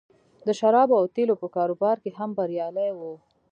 د شرابو او تیلو په کاروبار کې هم بریالی و